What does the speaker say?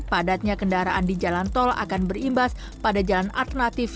padatnya kendaraan di jalan tol akan berimbas pada jalan alternatif